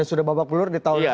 sudah babak belur di tahun lalu ya